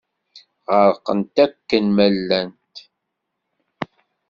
Ɣerqent akken ma llant.